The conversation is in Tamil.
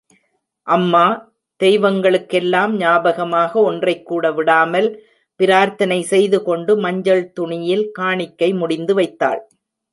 அம்மா, தெய்வங்களுக்கெல்லாம், ஞாபகமாக ஒன்றைக்கூட விடாமல், பிரார்த்தனை செய்துகொண்டு மஞ்சள் துணியில் காணிக்கை முடிந்துவைத்தாள்.